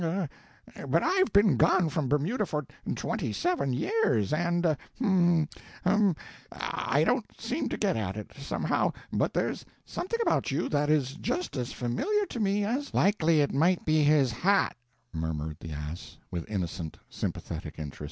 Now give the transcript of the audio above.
er... er... but I've been gone from Bermuda for twenty seven years, and... hum, hum ... I don't seem to get at it, somehow, but there's something about you that is just as familiar to me as " "Likely it might be his hat," murmured the Ass, with innocent, sympathetic interest.